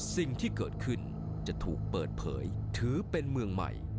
สิ่งที่เกิดขึ้นจะถูกเปิดเผยถือเป็นเมืองใหม่